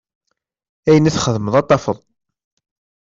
Ayen i txedmeḍ ad t-tafeḍ.